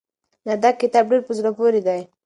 نه دا کتاب ډېر په زړه پورې دی.